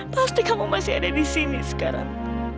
pasti kamu masih ada disini sekarang